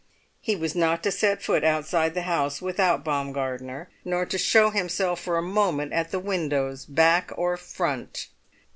He was not to set foot outside the house without Baumgartner, nor to show himself for a moment at the windows back or front.